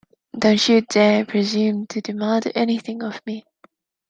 Don't you dare presume to demand anything of me!